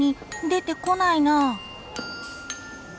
でてこないな。